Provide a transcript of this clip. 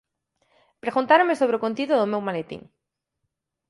Preguntáronme sobre o contido do meu maletín".